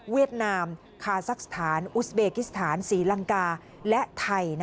นามคาซักสถานอุสเบกิสถานศรีลังกาและไทย